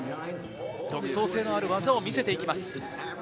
独創性のある技を見せていきます。